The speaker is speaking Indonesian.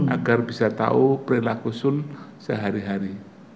agar bisa tahu perilaku sun sehari hari